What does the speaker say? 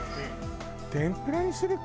天ぷらにするか？